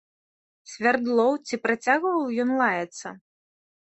Свярдлоў, ці працягваў ён лаяцца?